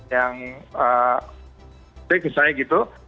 yang baik misalnya gitu